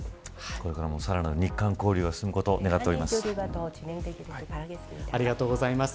これからも更なる日韓交流が進むことを願っています。